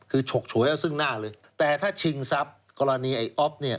คือฉกฉวยเอาซึ่งหน้าเลยแต่ถ้าชิงทรัพย์กรณีไอ้อ๊อฟเนี่ย